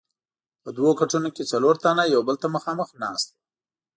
په دوو کټونو کې څلور تنه یو بل ته مخامخ ناست وو.